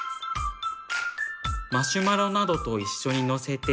マシュマロなどと一緒にのせて。